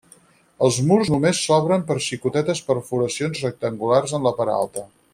Els murs només s'obren per xicotetes perforacions rectangulars en la part alta.